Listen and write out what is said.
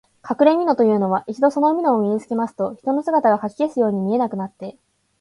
かくれみのというのは、一度そのみのを身につけますと、人の姿がかき消すように見えなくなって、